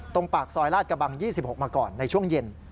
ปากซอยลาดกระบัง๒๖มาก่อนในช่วงเย็น